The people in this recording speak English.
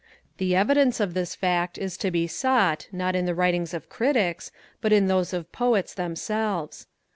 The evidence of this fact is to be sought, not in the writings of Critics, but in those of Poets themselves.